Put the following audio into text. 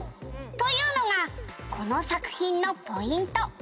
「というのがこの作品のポイント」